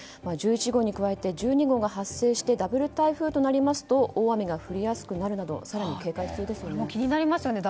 １１号に加えて１２号も発生してダブル台風となりますと大雨が降りやすくなるなど更に警戒が必要ですよね。